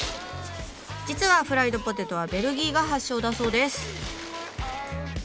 実はフライドポテトはベルギーが発祥だそうです。